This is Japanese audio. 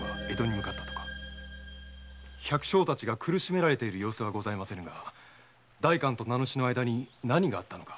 百姓たちが苦しめられている様子はございませんが代官と名主の間に何があったのか。